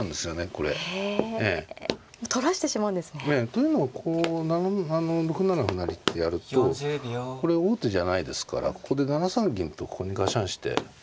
というのはこう６七歩成ってやるとこれ王手じゃないですからここで７三銀とここにガシャンして。